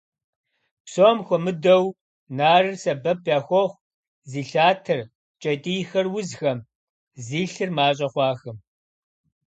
Псом хуэмыдэу нарыр сэбэп яхуохъу зи лъатэр, кӀэтӀийхэр узхэм, зи лъыр мащӀэ хъуахэм.